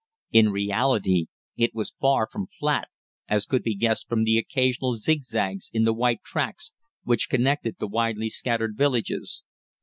In reality it was far from flat, as could be guessed from the occasional zigzags in the white tracks which connected the widely scattered villages.